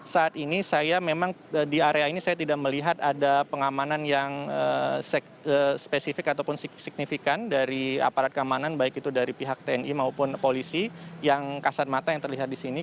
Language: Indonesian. saat ini saya memang di area ini saya tidak melihat ada pengamanan yang spesifik ataupun signifikan dari aparat keamanan baik itu dari pihak tni maupun polisi yang kasat mata yang terlihat di sini